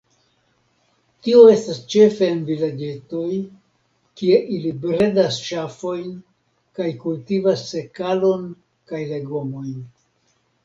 Tio estas ĉefe en vilaĝetoj, kie ili bredas ŝafojn kaj kultivas sekalon kaj legomojn.